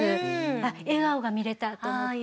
「あっ笑顔が見れた」と思って。